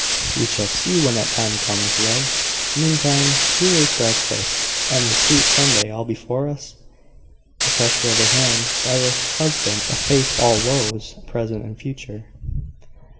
"We shall see when that time comes, love. Meantime, here is breakfast, and the sweet Sunday all before us?" The pressure of her hand by her husband effaced all woes, present and future.